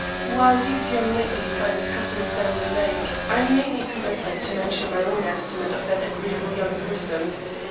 While these young ladies are discussing Stanley Lake, I may be permitted to mention my own estimate of that agreeable young person.